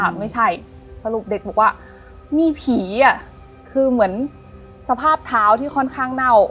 ไม่ใช่สรุปเด็กบอกว่ามีผีอ่ะคือเหมือนสภาพเท้าที่ค่อนข้างเน่า